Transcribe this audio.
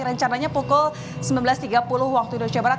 rencananya pukul sembilan belas tiga puluh waktu indonesia barat